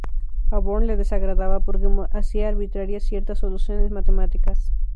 A Bohr le desagradaba porque hacía arbitrarias ciertas soluciones matemáticas.